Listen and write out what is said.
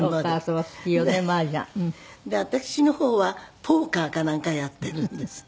私の方はポーカーかなんかやってるんです。